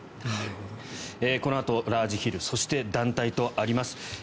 このあとラージヒルそして団体とあります。